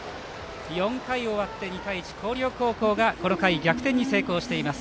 ４回を終わって２対１広陵高校が逆転に成功しています。